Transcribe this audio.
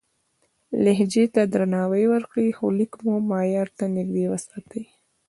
لهجې ته درناوی وکړئ، خو لیک مو معیار ته نږدې وساتئ.